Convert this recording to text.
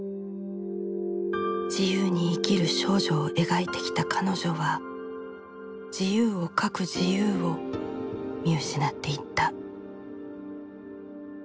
自由に生きる少女を描いてきた彼女は自由を書く自由を見失っていった。